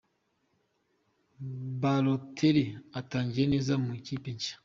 Balotelli atangiye neza mu ikipe nshya